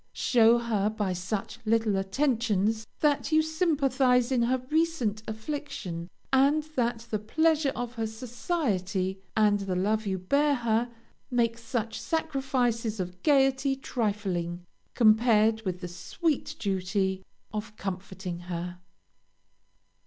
Show her by such little attentions that you sympathize in her recent affliction, and that the pleasure of her society, and the love you bear her, make such sacrifices of gayety trifling, compared with the sweet duty of comforting her.